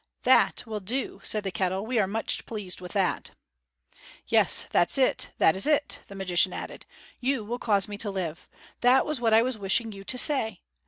"That will do," said the kettle. "We are much pleased with that." "Yes, that is it that is it!" the magician added. "You will cause me to live. That was what I was wishing you to say.